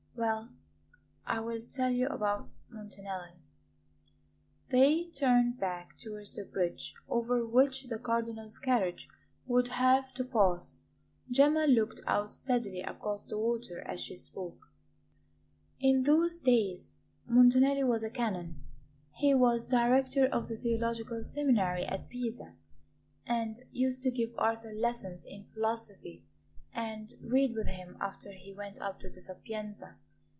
Well, I will tell you about Montanelli." They turned back towards the bridge over which the Cardinal's carriage would have to pass. Gemma looked out steadily across the water as she spoke. "In those days Montanelli was a canon; he was Director of the Theological Seminary at Pisa, and used to give Arthur lessons in philosophy and read with him after he went up to the Sapienza.